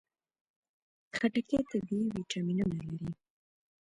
خټکی طبیعي ویټامینونه لري.